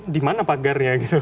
di mana pagarnya gitu